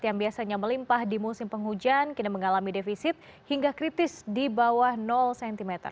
yang biasanya melimpah di musim penghujan kini mengalami defisit hingga kritis di bawah cm